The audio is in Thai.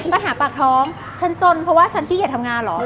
ปัญหาปากท้องฉันจนเพราะว่าฉันขี้อย่าทำงานเหรอ